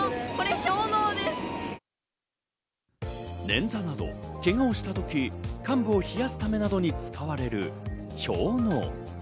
ねんざなど、けがをした時、患部を冷やすためなどに使われる氷のう。